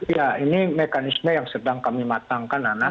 ya ini mekanisme yang sedang kami matangkan nana